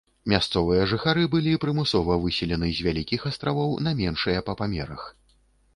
Мясцовыя жыхары былі прымусова выселены з вялікіх астравоў на меншыя па памерах.